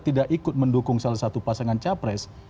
tidak ikut mendukung salah satu pasangan capres